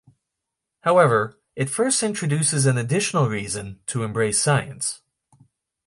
However, it first introduces an additional reason to embrace science.